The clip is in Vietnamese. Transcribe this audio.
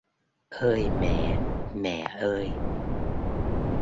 Ơi mẹ... Mẹ ơi!